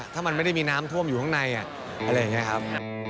ถ้ามันไม่ได้มีน้ำท่วมอยู่ข้างในอะไรอย่างนี้ครับ